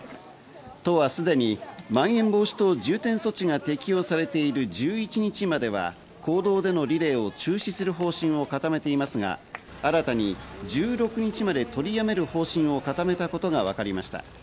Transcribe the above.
都はすでに、まん延防止等重点措置が適用されている１１日間では公道でのリレーを中止する方針を固めていますが、新たに１６日まで取りやめる方針を固めたことがわかりました。